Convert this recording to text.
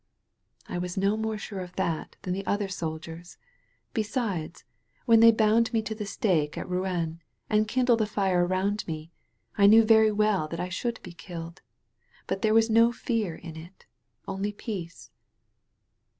"I was no more sure of that than the other sol diers. Besides, when they bound me to the stake at Rouen and kindled the fire around me I knew very well that I should be killed. But there was no fear in it. Only peace."